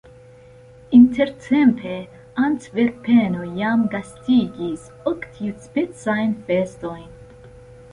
Intertempe Antverpeno jam gastigis ok tiuspecajn festojn.